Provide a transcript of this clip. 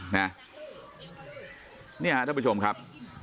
นี่ค่ะท่านผู้ชมครับ